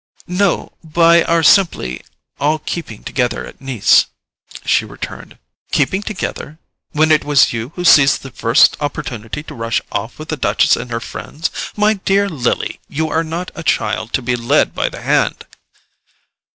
"No; by our simply all keeping together at Nice," she returned. "Keeping together? When it was you who seized the first opportunity to rush off with the Duchess and her friends? My dear Lily, you are not a child to be led by the hand!"